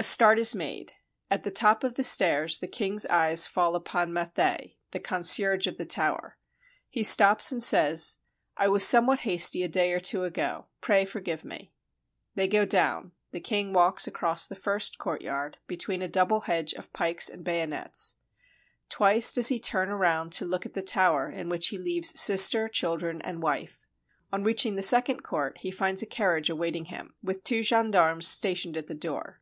A start is made. At the top of the stairs the king's eyes fall upon Mathey, the concierge of the tower. He stops and says: "I was somewhat hasty a day or two ago; pray forgive me." They go down; the king walks across the first courtyard between a double hedge of pikes and bayonets; twice does he turn round to look at the tower in which he leaves sister, children, and wife. On reaching the second court, he finds a carriage await ing him, with two gendarmes stationed at the door.